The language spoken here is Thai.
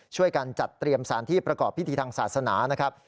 ช่วยกันจัดเตรียมสารที่ประกอบพิธีทางศาสนานะครับ